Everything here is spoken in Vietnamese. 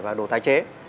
và đồ tái chế